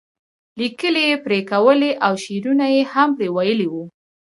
لیکل یې پرې کولی او شعرونه یې هم پرې ویلي وو.